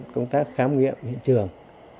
công tác khám nghiệm hiện trường